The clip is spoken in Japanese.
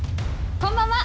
こんばんは。